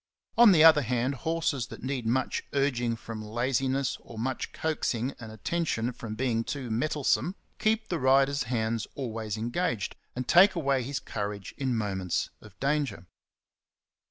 On the other hand, horses that need much urging from laziness or much coaxing and attention from being too mettle some, keep the rider's hands always engaged, and take away his courage in moments of danger.